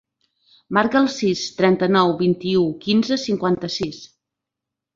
Marca el sis, trenta-nou, vint-i-u, quinze, cinquanta-sis.